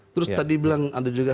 terus tadi bilang ada juga